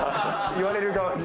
言われる側に。